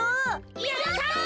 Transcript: やった！